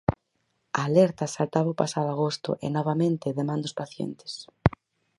A alerta saltaba o pasado agosto e, novamente, de man dos pacientes.